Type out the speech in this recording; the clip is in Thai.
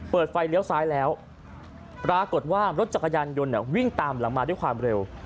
เปิดไฟเลี้ยวซ้ายแล้วปรากฏว่ารถจักรยานยนต์วิ่งตามหลังมาด้วยความเร็ว